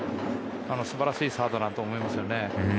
素晴らしいサードだと思います。